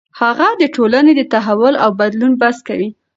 هغه د ټولنې د تحول او بدلون بحث کوي.